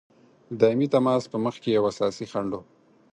دایمي تماس په مخکي یو اساسي خنډ وو.